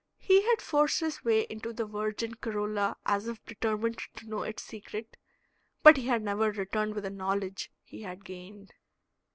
He had forced his way into the virgin corolla as if determined to know its secret, but he had never returned with the knowledge he had gained.